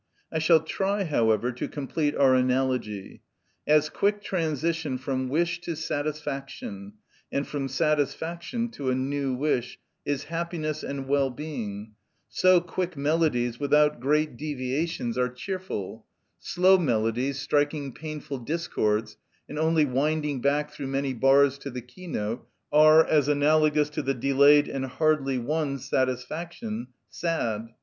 I shall try, however, to complete our analogy. As quick transition from wish to satisfaction, and from satisfaction to a new wish, is happiness and well being, so quick melodies without great deviations are cheerful; slow melodies, striking painful discords, and only winding back through many bars to the keynote are, as analogous to the delayed and hardly won satisfaction, sad.